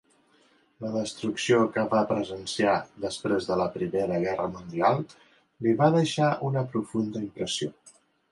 La destrucció que va presenciar després de la Primera Guerra Mundial, li va deixar una profunda impressió.